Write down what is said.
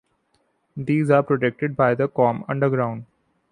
These are protected by the corm underground.